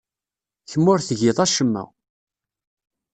Kemm ur tgiḍ acemma.